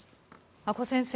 阿古先生